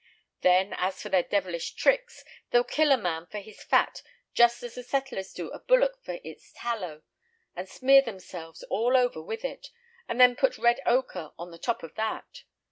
Then, as for their devilish tricks, they'll kill a man for his fat just as the settlers do a bullock for its tallow, and smear themselves all over with it, and then put red ochre on the top of that.